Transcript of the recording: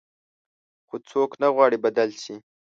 خو څوک نه غواړي بدل شي.